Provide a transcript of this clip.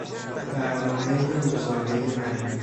برنامهی روزانهی من